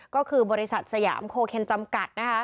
ก็คือบริษัทสยามโคเคนจำกัด